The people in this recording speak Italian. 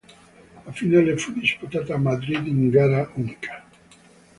La finale fu disputata a Madrid in gara unica.